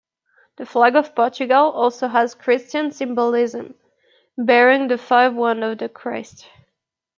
The Flag of Portugal also has Christian symbolism, bearing the five wounds of Christ.